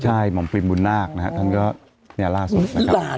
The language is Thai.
ใช่หม่อมปริมบุญนาคท่านก็แนวล่าสุด